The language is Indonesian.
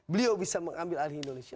beliau bisa mengambil alih indonesia